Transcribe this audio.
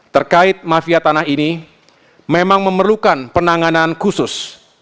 terkait mafia tanah ini memang memerlukan penanganan khusus